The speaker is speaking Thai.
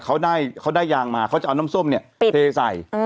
เขาได้เขาได้ยางมาเขาจะเอาน้ำส้มเนี่ยเทใส่